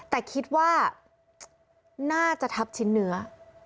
แต่คิดว่าน่าจะทับชิ้นเนื้อ